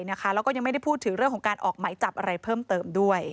แล้วก็ยังไม่ได้พูดถึงเรื่องของการออกไหมจับอะไรเพิ่มเติมด้วย